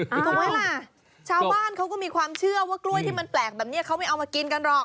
ถูกไหมล่ะชาวบ้านเขาก็มีความเชื่อว่ากล้วยที่มันแปลกแบบนี้เขาไม่เอามากินกันหรอก